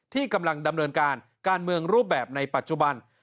ที่กำลังดำเนินการการเมืองรูปแบบในปัจจุบัน